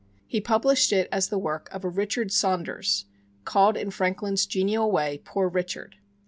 He published it as the work of a Richard Saunders, called in Franklin's genial way, "Poor Richard."